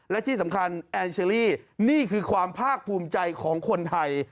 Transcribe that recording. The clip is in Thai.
และที่สำคัญแอนเชอรี่นี่คือความภาคภูมิใจของคนไทย